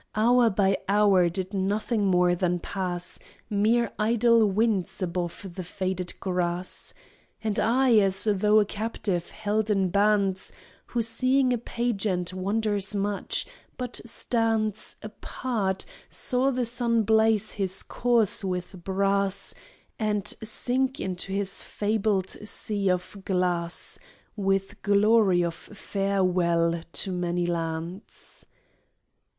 Hour by hour did nothing more than pass, Mere idle winds above the faded grass. And I, as though a captive held in bands, Who, seeing a pageant, wonders much, but stands Apart, saw the sun blaze his course with brass And sink into his fabled sea of glass With glory of farewell to many lands.